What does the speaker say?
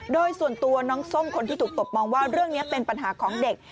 โดยส่วนตัวน้องส้มคนที่ถูกตบมองว่าเรื่องนี้เป็นปัญหาของเด็ก